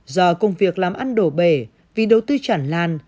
do công việc làm ăn đổ bể vì đầu tư chẳng lan